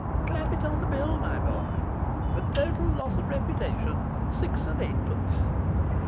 'Clap it in the bill, my boy. "For total loss of reputation, six and eightpence."